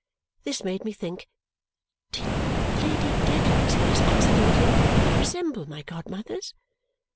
This made me think, did Lady Dedlock's face accidentally resemble my godmother's?